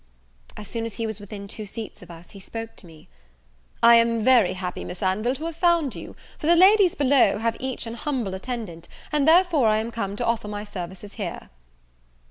As soon as he was within two seats of us, he spoke to me: "I am very happy, Miss Anville, to have found you, for the ladies below have each an humble attendant, and therefore I am come to offer my services here."